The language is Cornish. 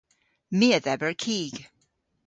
My a dheber kig.